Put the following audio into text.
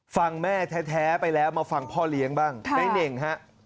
ฟังแม่แท้ไปแล้วมาฟังพ่อเลี้ยงบ้าง